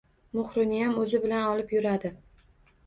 Muhrniyam o`zi bilan olib yuradi